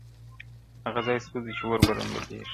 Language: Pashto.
•« هغه ځای سوځي چي اور ورباندي بل وي» -